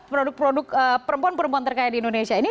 produk produk perempuan perempuan terkaya di indonesia ini